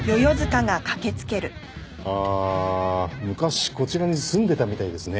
ああ昔こちらに住んでたみたいですね。